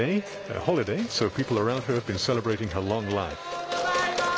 おめでとうございます。